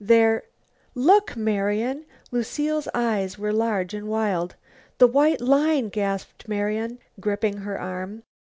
There " "Look, Marian!" Lucile's eyes were large and wild. "The white line!" gasped Marian, gripping her arm.